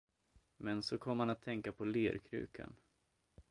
Men så kom han att tänka på lerkrukan.